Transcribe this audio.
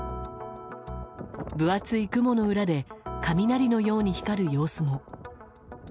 分厚い雲の裏で雷のように光る様子も。